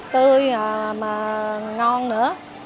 tươi mà ngon nữa